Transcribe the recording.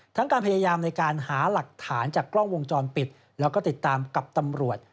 การพยายามในการหาหลักฐานจากกล้องวงจรปิดแล้วก็ติดตามกับตำรวจ